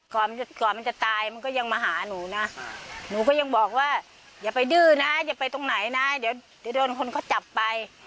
ก่อนก่อนมันจะตายมันก็ยังมาหาหนูนะหนูก็ยังบอกว่าอย่าไปดื้อนะอย่าไปตรงไหนนะเดี๋ยวโดนคนเขาจับไป